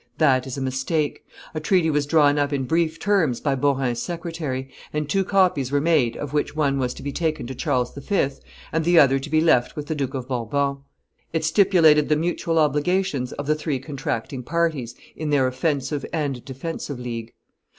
That is a mistake. A treaty was drawn up in brief terms by Beaurain's secretary, and two copies were made, of which one was to be taken to Charles V. and the other to be left with the Duke of Bourbon. It stipulated the mutual obligations of the three contracting parties in their offensive and defensive league.